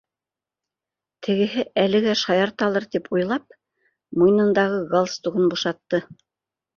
Тегеһе әлегә шаярталыр тип уйлап, муйынындағы гал стугын бушатты